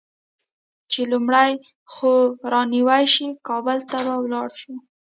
چې لومړۍ خور رانوې شي؛ کابل ته به ولاړ شو.